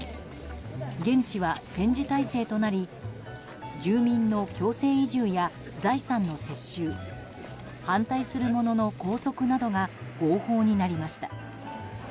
現地は戦時体制となり住民の強制移住や財産の接収反対する者の拘束などが合法になりました。